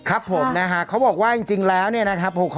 ครับผมนะฮะเขาบอกว่าจริงแล้วเนี่ยนะครับ